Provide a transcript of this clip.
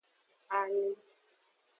Alin.